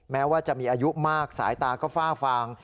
แม้ว่าจะมีอายุมากสายตาก็ฝ้าฟาง